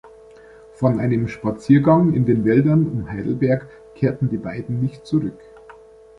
Von einem Spaziergang in den Wäldern um Heidelberg kehrten die beiden nicht zurück.